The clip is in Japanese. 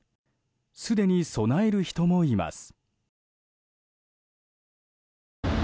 すでに備える人もいます。